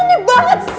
aneh banget sih